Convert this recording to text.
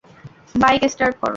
Bike start কর।